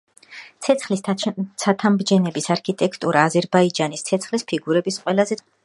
ცეცხლის ცათამბჯენების არქიტექტურა აზერბაიჯანის ცეცხლის ფიგურების ყველაზე ცნობილი წარმომადგენელია.